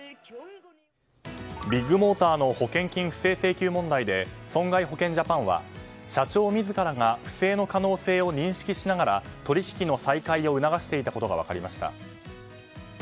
ビッグモーターの保険金不正請求問題で損害保険ジャパンは、社長自らが不正の可能性を認識しながら取引の再開を促していたことが分かりました。